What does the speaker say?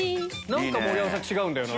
何か盛山さん違うんだよな。